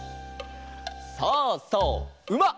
そうそううま！